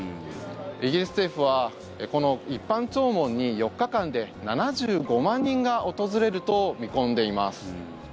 イギリス政府は、この一般弔問に４日間で７５万人が訪れると見込んでいます。